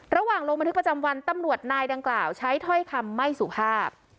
ลงบันทึกประจำวันตำรวจนายดังกล่าวใช้ถ้อยคำไม่สุภาพ